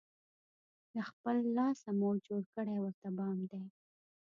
له خپل لاسه، مور جوړ کړی ورته بام دی